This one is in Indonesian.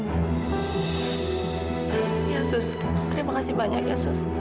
iya sus terima kasih banyak ya sus